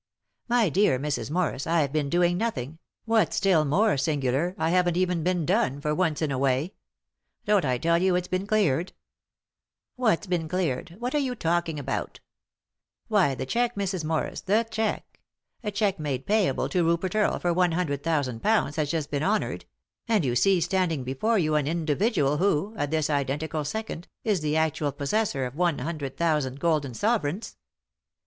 " My dear Mrs. Morris, I've been doing nothing ; what's still more singular, I haven't even been done, for once in a way. Don't I tell you it's been cleared ?" 219 3i 9 iii^d by Google THE INTERRUPTED KISS " What's been cleared ? What are you talking about ?" "Why, the cheque, Mrs. Morris, the cheque. A cheque made payable to Rupert Earlc for one hundred thousand pounds has just been honoured ; and you see standing before you an individual who, at this identical second, is the actual possessor of one hundred thousand golden sovereigns."